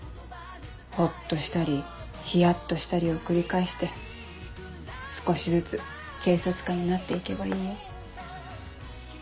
ほっとしたりヒヤっとしたりを繰り返して少しずつ警察官になって行けばいいよ。